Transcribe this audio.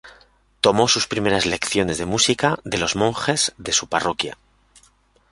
Tomó sus primeras lecciones de música de los monjes de su parroquia.